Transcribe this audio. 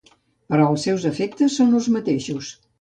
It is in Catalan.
Però els seus efectes són els mateixos.